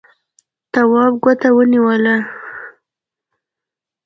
تواب ګوته ونيوله.